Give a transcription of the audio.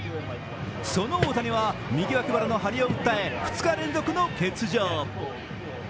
その大谷は右脇腹の張りを訴え２日連続の欠場。